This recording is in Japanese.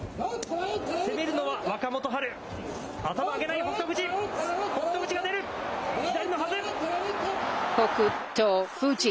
攻めるのは若元春、頭を上げない北勝富士。